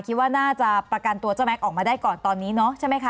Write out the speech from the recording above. คิดว่าน่าจะประกันตัวเจ้าแม็กซออกมาได้ก่อนตอนนี้เนาะใช่ไหมคะ